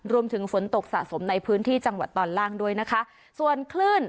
รวมถึงฝนตกสะสมในพื้นที่จังหวัดตอนล่างด้วยนะคะส่วนคลื่น